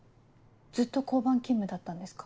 ずっと交番勤務だったんですか？